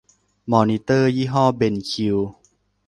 มอนิเตอร์ยี่ห้อเบนคิว